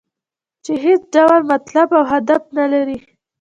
چې هېڅ ډول مطلب او هدف نه لري.